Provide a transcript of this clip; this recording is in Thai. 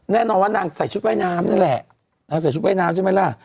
แน่นอนว่านางใส่ชุดว่ายน้ำนั่นแหละนางใส่ชุดว่ายน้ำใช่ไหมล่ะ